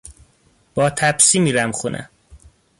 با تپسی میرم خونه